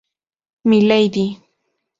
My Lady".